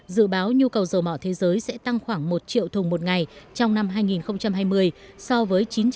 dự báo nhu cầu dầu mỏ thế giới sẽ tăng khoảng một triệu thùng một ngày trong năm hai nghìn hai mươi so với chín trăm linh